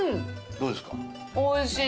どうですか？